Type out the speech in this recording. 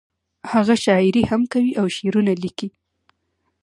هغه شاعري هم کوي او شعرونه ليکي